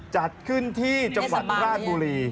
จัดขึ้นที่จังหวัดราชบุรี